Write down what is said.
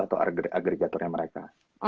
atau agregatornya mereka